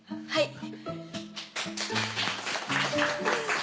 はい。